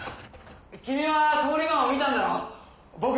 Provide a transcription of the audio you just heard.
君は通り魔を見たんだろう？